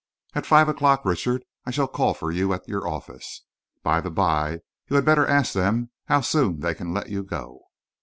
At five o'clock, Richard, I shall call for you at your office. By the bye, you had better ask them how soon they can let you go."